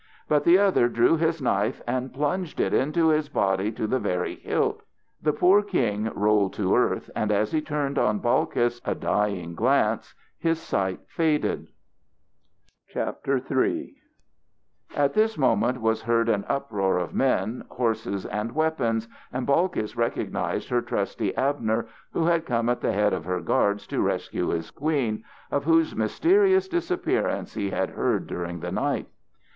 But the other drew his knife and plunged it into his body to the very hilt. The poor king rolled to earth, and as he turned on Balkis a dying glance his sight faded. III At this moment was heard an uproar of men, horses and weapons, and Balkis recognised her trusty Abner who had come at the head of her guards to rescue his queen, of whose mysterious disappearance he had heard during the night.